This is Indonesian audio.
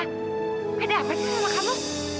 gak ada apa apa sama kamu